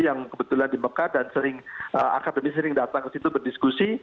yang kebetulan di mekah dan sering akademi sering datang ke situ berdiskusi